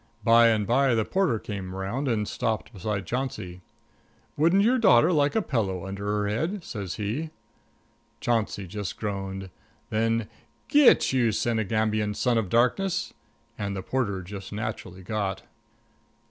By and by the porter came around and stopped beside Chauncey. "Wouldn't your daughter like a pillow under her head?" says he. Chauncey just groaned. Then "Git; you Senegambian son of darkness!" And the porter just naturally got.